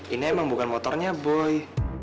ini emang bukan motornya boy